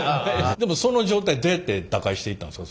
でもその状態どうやって打開していったんですか？